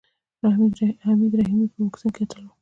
حمید رحیمي په بوکسینګ کې اتل و.